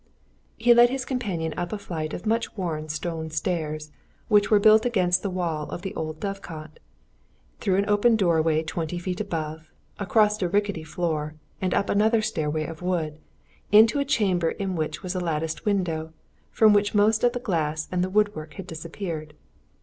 He led his companion up a flight of much worn stone stairs which were built against the wall of the old dove cot; through an open doorway twenty feet above; across a rickety floor; and up another stairway of wood, into a chamber in which was a latticed window, from which most of the glass and the woodwork had disappeared.